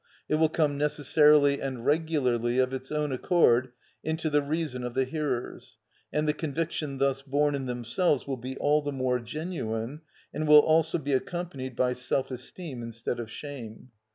It will come necessarily and regularly of its own accord into the reason of the hearers, and the conviction thus born in themselves will be all the more genuine, and will also be accompanied by self esteem instead of shame.